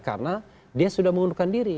karena dia sudah mengundurkan diri